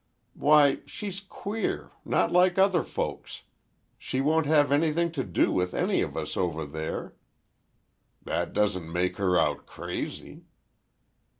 "Why, she's queer—not like other folks. She won't have anything to do with any of us over there—" "That doesn't make her out crazy."